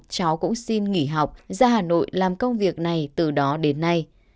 cháu cũng xin nghỉ học ra hà nội làm công việc này từ đó đến nay